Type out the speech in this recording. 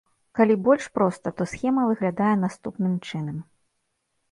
Калі больш проста, то схема выглядае наступным чынам.